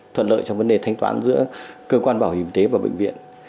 thuận lợi trong vấn đề thanh toán giữa cơ quan bảo hiểm y tế và bệnh viện